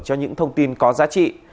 cho những thông tin có giá trị